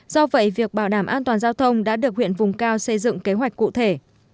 do vậy việc bảo đảm an toàn giao thông đã được huyện vùng cao xây dựng kế hoạch cụ thể